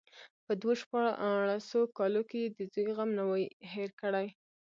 په دو شپاړسو کالو کې يې د زوى غم نه وي هېر کړى.